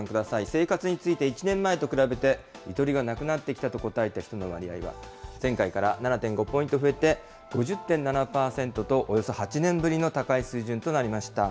生活について、１年前と比べて、ゆとりがなくなってきたと答えた人の割合は、前回から７．５ポイント増えて、５０．７％とおよそ８年ぶりの高い水準となりました。